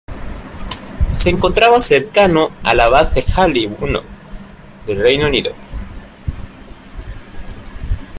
Se encontraba cercano a la base Halley I del Reino Unido.